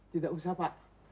tidak usah pak